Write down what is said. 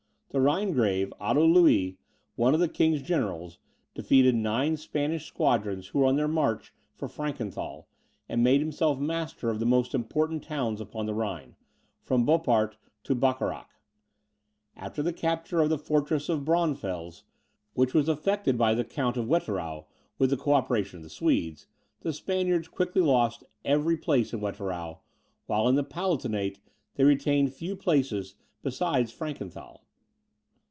The Rhinegrave, Otto Louis, one of the king's generals, defeated nine Spanish squadrons who were on their march for Frankenthal, and made himself master of the most important towns upon the Rhine, from Boppart to Bacharach. After the capture of the fortress of Braunfels, which was effected by the Count of Wetterau, with the co operation of the Swedes, the Spaniards quickly lost every place in Wetterau, while in the Palatinate they retained few places besides Frankenthal.